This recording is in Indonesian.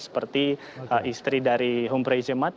seperti istri dari humprey jemat